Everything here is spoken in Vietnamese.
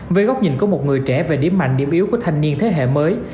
với góc nhìn của một người trẻ về điểm mạnh điểm yếu của thanh niên thế hệ mới